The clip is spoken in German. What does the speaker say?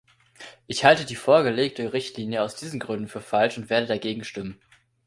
Ich halte die vorgelegte Richtlinie aus diesen Gründen für falsch und werde dagegen stimmen.